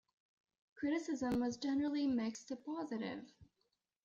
Criticism was generally mixed to positive.